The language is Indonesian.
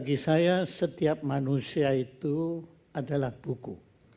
bagi saya setiap manusia itu adalah buku